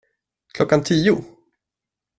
Klockan tio?